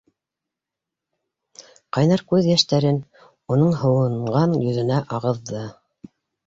Ҡайнар күҙ йәштәрен уның һыуынған йөҙөнә ағыҙҙы.